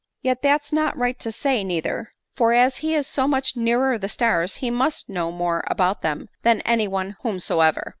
Yet that's not right to say, neither ; for, as he is so much nearer the i' stars, he must know more about them than any one whomsoever.